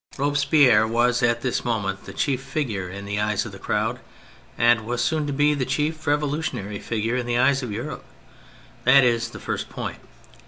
Robespierre was at this moment the chief figure in the eyes of the crowd, and was soon to be the chief revolutionary figure in the eyes of Europe : that is the first point.